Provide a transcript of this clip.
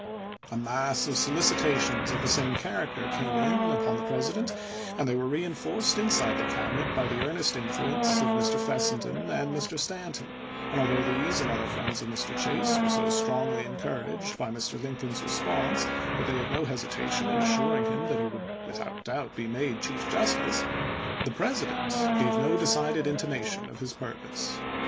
A mass of solicitations of the same character came in upon the President and they were reenforced inside the Cabinet by the earnest influence of Mr. Eessenden and Mr. Stanton; and although these and other friends of Mr. Chase were so strongly encouraged by Mr. Lincoln's response that they had no hesita tion in assuring him that he would without doubt be made chief justice, the President gave no de cided intimation of his purpose.